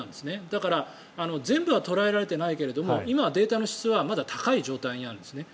だから、全部は捉えられていないけれど今はデータの質はまだ高い状態にあるんですね。